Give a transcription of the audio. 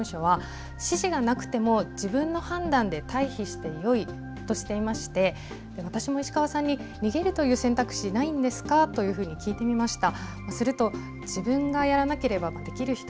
渡良瀬遊水地を管理する国土交通省の利根川上流河川事務所は指示がなくても自分の判断で退避してよいとしていまして私も石川さんに逃げるという選択肢ないんですかというふうに聞いてみました。